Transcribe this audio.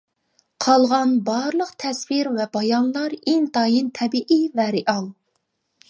قالغان بارلىق تەسۋىر ۋە بايانلار ئىنتايىن تەبىئىي ۋە رېئال.